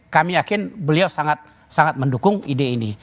kami yakin beliau sangat mendukung ide ini